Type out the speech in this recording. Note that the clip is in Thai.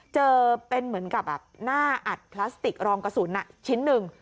เจอเป็นเหมือนกับหน้าอัดพลาสติกรองกระสุนชิ้นหนึ่ง